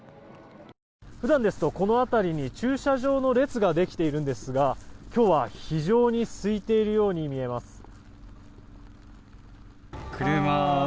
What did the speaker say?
普段ですとこの辺りに駐車場の列ができているんですが今日は非常にすいているように見えます。